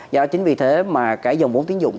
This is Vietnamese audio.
do đó chính vì thế mà cái dòng vốn tiến dụng